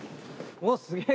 おっすげえ。